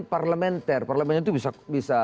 parlementer parlemen itu bisa